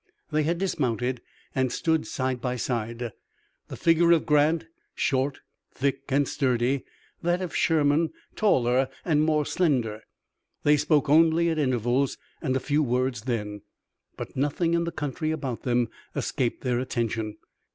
They had dismounted and stood side by side, the figure of Grant short, thick and sturdy, that of Sherman, taller and more slender. They spoke only at intervals, and few words then, but nothing in the country about them escaped their attention.